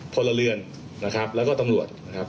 พลเรือนนะครับแล้วก็ตำรวจนะครับ